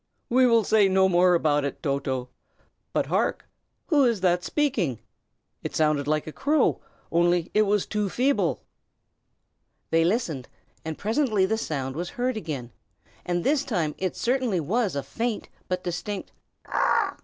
"We will say no more about it, Toto. But, hark? who is that speaking. It sounded like a crow, only it was too feeble." They listened, and presently the sound was heard again; and this time it certainly was a faint but distinct "Caw!"